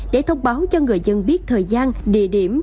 để thông báo cho người dân biết thời gian địa điểm